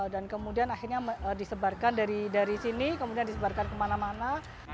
dan kemudian akhirnya disebarkan dari sini kemudian disebarkan kemana mana